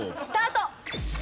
スタート！